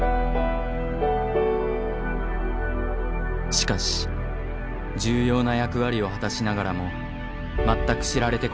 しかし重要な役割を果たしながらも全く知られてこなかった人物がいる。